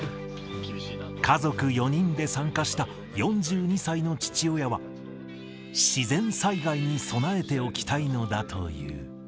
家族４人で参加した４２歳の父親は、自然災害に備えておきたいのだという。